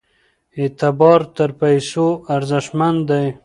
اعتبار تر پیسو ارزښتمن دی.